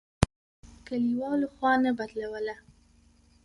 کلیوالو خوا نه بدوله.